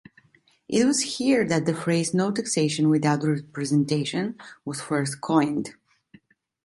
It was here that the phrase "no taxation without representation" was first coined.